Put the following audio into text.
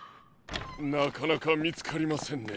なかなかみつかりませんね。